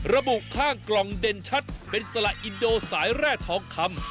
ระบุข้างกล่องเด่นชัดเป็นสละอินโดสายแร่ทองคำ